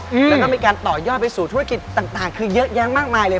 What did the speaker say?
แล้วก็มีการต่อยอดไปสู่ธุรกิจต่างต่างคือเยอะแยะมากมายเลย